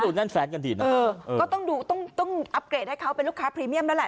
ก็ดูแน่นแฟสกันดีนะเออก็ต้องดูต้องต้องให้เขาเป็นลูกค้าพรีเมียมแล้วแหละ